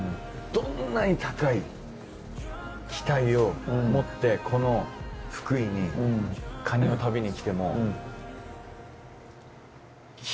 どんなに高い期待を持ってこの福井にカニを食べに来ても。